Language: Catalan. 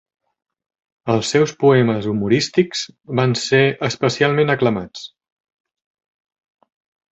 Els seus poemes humorístics van ser especialment aclamats.